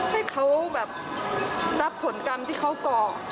ให้เขาแบบรับผลกรรมที่เขาก่อ